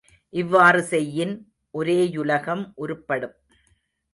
இவ்வாறு செய்யின் ஒரேயுலகம் உருப்படும்.